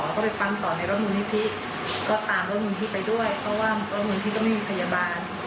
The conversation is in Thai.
ก็ตามโรงพยาบาลที่ไปด้วยเพราะว่าโรงพยาบาลที่ก็ไม่มีพยาบาล